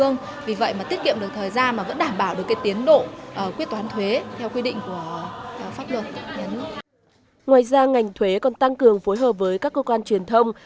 ngoài ra ngành thuế còn tăng cường phối hợp với các cơ quan truyền thông